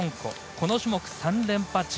この種目、３連覇中。